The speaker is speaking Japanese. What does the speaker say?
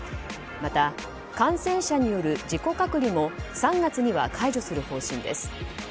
また、感染者による自己隔離も３月には解除する方針です。